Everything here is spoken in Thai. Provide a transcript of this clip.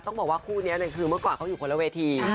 ต้องบอกว่าคู่นี้คือเมื่อก่อนเขาอยู่คนละเวที